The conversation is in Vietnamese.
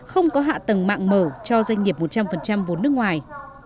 không có hạ tầng mạng mở cho doanh nghiệp một trăm linh vốn nước ngoài